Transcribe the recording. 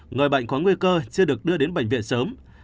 người bệnh có nguy cơ sẽ được đưa đến bệnh viện sớm